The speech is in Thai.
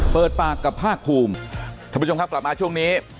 เปิดปากกับภาคภูมิท่านผู้ชมครับกลับมาช่วงนี้